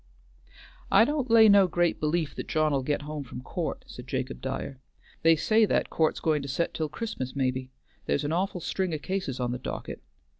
"I don't lay no great belief that John'll get home from court," said Jacob Dyer. "They say that court's goin' to set till Christmas maybe; there's an awful string o' cases on the docket.